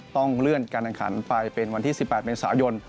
ต้องเลื่อนการแข่งขันไปเป็นวันที่๑๘เมษายน